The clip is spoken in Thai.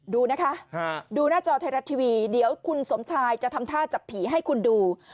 ดูนะคะดูหน้าจอไทยรัฐทีวีเดี๋ยวคุณสมชายจะทำท่าจับผีให้คุณดู